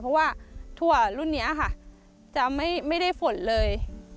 เพราะว่าทั่วรุ่นนี้ค่ะจะไม่ได้ฝนเลย